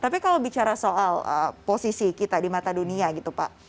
tapi kalau bicara soal posisi kita di mata dunia gitu pak